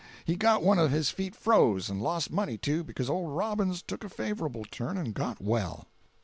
He got one of his feet froze, and lost money, too, becuz old Robbins took a favorable turn and got well.